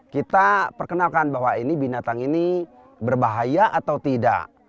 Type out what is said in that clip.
kita perkenalkan bahwa ini binatang ini berbahaya atau tidak